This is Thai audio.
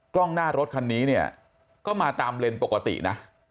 กล้องหน้ารถคันนี้เนี่ยก็มาตามเลนส์ปกตินะ